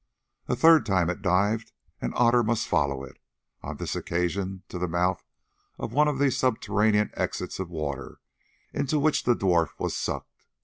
A third time it dived, and Otter must follow it—on this occasion to the mouth of one of the subterranean exits of the water, into which the dwarf was sucked.